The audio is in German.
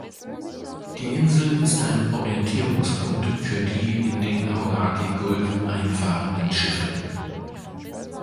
Die Insel ist ein Orientierungspunkt für die in den Hauraki Gulf einfahrenden Schiffe.